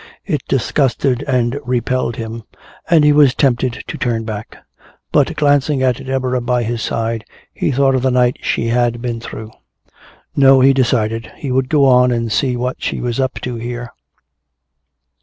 It disgusted and repelled him, and he was tempted to turn back. But glancing at Deborah by his side he thought of the night she had been through. No, he decided, he would go on and see what she was up to here.